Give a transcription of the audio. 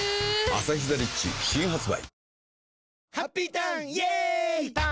「アサヒザ・リッチ」新発売